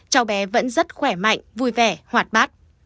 cháu bé vẫn rất khỏe mạnh vui vẻ hoạt bát